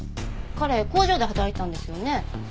彼工場で働いてたんですよね？